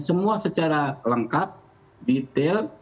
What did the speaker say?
semua secara lengkap detail